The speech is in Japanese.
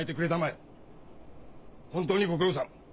本当にご苦労さん。